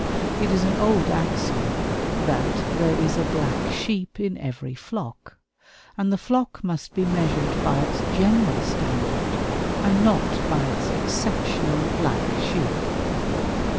It is an old axiom that "there is a black sheep in every flock"; and the flock must be measured by its general standard, and not by its exceptional black sheep.